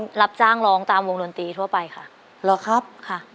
รับจ้างร้องตามวงดนตรีทั่วไปค่ะหรอครับค่ะ